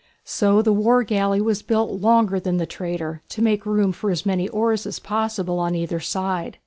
So the war galley was built longer than the trader, to make room for as many oars as possible on either side.